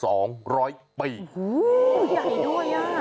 โอ้โหใหญ่ด้วยอ่ะ